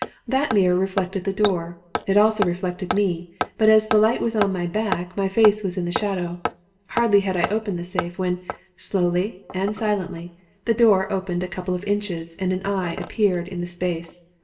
That mirror reflected the door. It also reflected me, but as the light was on my back my face was in the shadow. Hardly had I opened the safe when, slowly and silently, the door opened a couple of inches and an eye appeared in the space.